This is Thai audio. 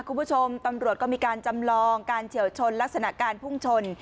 คุณผู้ชมตำรวจก็มีการจำลองการเฉียวชนลักษณะการพุ่งชน